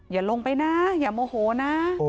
อย่าลงไปนะอย่าโมโหนะ